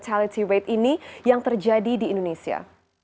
apa yang terjadi di indonesia